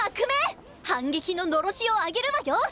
反撃ののろしを上げるわよ！